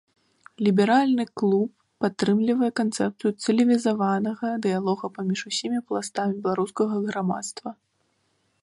Ліберальны клуб падтрымлівае канцэпцыю цывілізаванага дыялога паміж усімі пластамі беларускага грамадства.